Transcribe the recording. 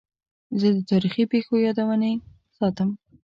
زه د تاریخي پیښو یادونې ساتم.